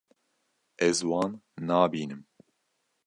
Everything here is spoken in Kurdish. Ez wan nabînim.